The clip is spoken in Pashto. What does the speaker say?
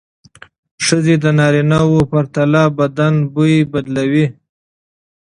ښځې د نارینه وو پرتله بدن بوی بدلوي.